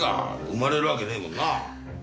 生まれるわけねえもんなぁ。